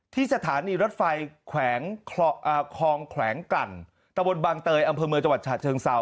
ที่สถานีรถไฟคลองแขวงกันตะวนบางเตยอำเภอเมืองจังหวัดเชิงเศร้า